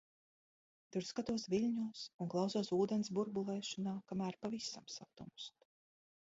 Tur skatos viļņos un klausos ūdens burbulēšanā, kamēr pavisam satumst.